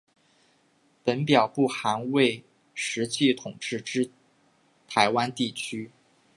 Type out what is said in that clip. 本表不含未实际统治之台湾地区。